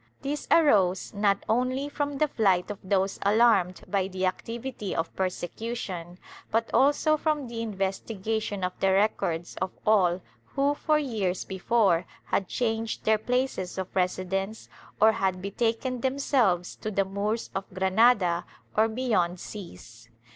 This arose not only from the flight of those alarmed by the activity of persecution, but also from the investigation of the records of all who, for years before, had changed their places of residence or had betaken themselves to the Moors of Granada or beyond seas.